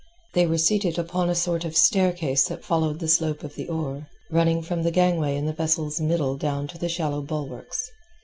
They were seated upon a sort of staircase that followed the slope of the oar, running from the gangway in the vessel's middle down to the shallow bulwarks.